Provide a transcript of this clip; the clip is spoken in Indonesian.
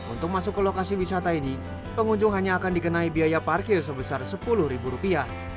untuk masuk ke lokasi wisata ini pengunjung hanya akan dikenai biaya parkir sebesar sepuluh ribu rupiah